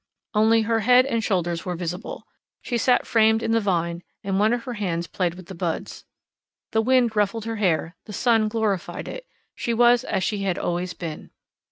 Only her head and shoulders were visible. She sat framed in the vine, and one of her hands played with the buds. The wind ruffled her hair, the sun glorified it; she was as she had always been.